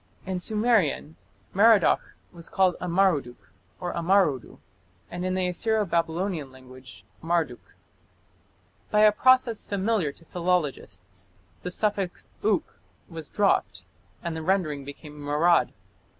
In Sumerian Merodach was called Amaruduk or Amarudu, and in the Assyro Babylonian language Marduk. By a process familiar to philologists the suffix "uk" was dropped and the rendering became Marad.